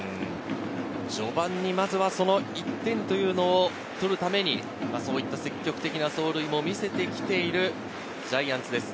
序盤に１点というのを取るために、積極的な走塁を見せてきているジャイアンツです。